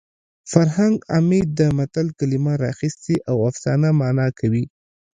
فرهنګ عمید د متل کلمه راخیستې او افسانه مانا کوي